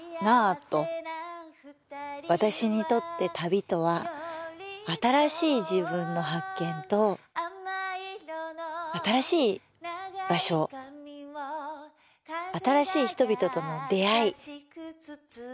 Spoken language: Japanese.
私にとって旅とは新しい自分の発見と新しい場所新しい人々との出会い。